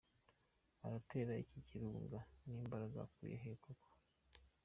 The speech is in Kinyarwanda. Araterera iki kirunga n’imbaraga akuye he koko?